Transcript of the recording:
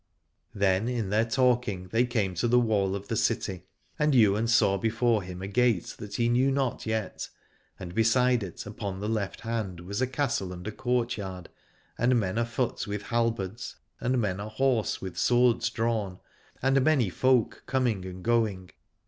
Then in their talking they came to the wall of the city, and Ywain saw before him a gate that he knew not yet : and beside it upon the left hand was a castle, and a courtyard, and men afoot with halberds, and men ahorse with swords drawn, and many folk coming and going.